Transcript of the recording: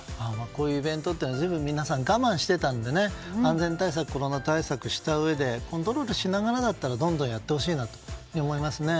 こういうイベントというのは皆さん我慢していたので安全対策、コロナ対策したうえでコントロールしながらだったらどんどんやってほしいなと思いますね。